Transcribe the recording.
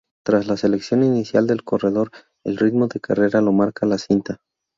Tras la selección inicial del corredor, el ritmo de carrera lo marca la cinta.